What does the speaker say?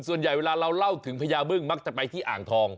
ส่วนใหญ่เวลาเราเล่าถึงพญาบึ้งมักจะไปที่อ่างทอง